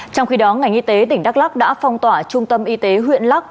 trong khi đó ngành y tế tỉnh đắk lắc đã phong tỏa trung tâm y tế huyện lắc